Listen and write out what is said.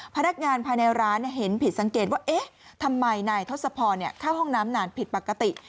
พนักงานภายในร้านเห็นผิดสังเกตว่าเอ๊ะทำไมนายทศพรเข้าห้องน้ำนานผิดปกติ